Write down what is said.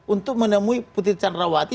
untuk menemui putri canrawati